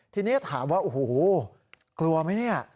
ทีนี้ถามว่าโอ้โหกลัวไหมเนี่ย